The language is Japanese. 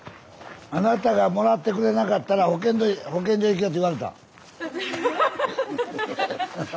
「あなたがもらってくれなかったら保健所行きよ」って言われた？